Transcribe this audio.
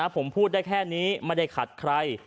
ผมพูดได้แค่นี้ไม่ได้ขัดใคร